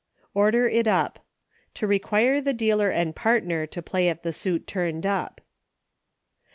?.der it Up. To require the dealer and partner to play at the suit turned up.